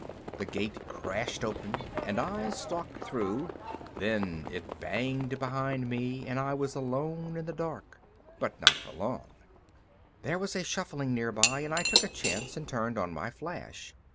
The gate crashed open and I stalked through; then it banged to behind me and I was alone in the dark. But not for long there was a shuffling nearby and I took a chance and turned on my flash.